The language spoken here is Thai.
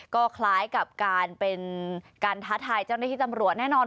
ก็คล้ายกับการเป็นการท้าทายเจ้าหน้าที่ตำรวจแน่นอน